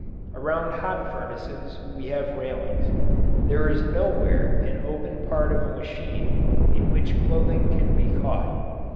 Around hot furnaces we have railings. There is nowhere an open part of a machine in which clothing can be caught.